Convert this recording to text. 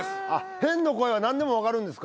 変の声は何でも分かるんですか？